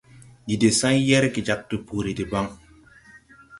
Ndi de say yerge jāg tupuri deban.